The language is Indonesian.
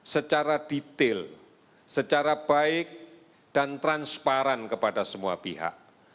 secara detail secara baik dan transparan kepada semua pihak